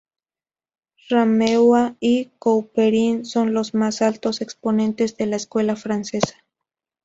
Rameau y Couperin son los más altos exponentes de la escuela francesa.